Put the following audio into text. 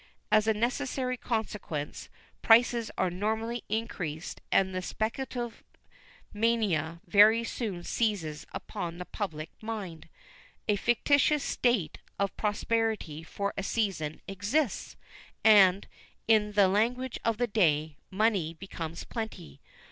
As a necessary consequence prices are nominally increased and the speculative mania very soon seizes upon the public mind. A fictitious state of prosperity for a season exists, and, in the language of the day, money becomes plenty.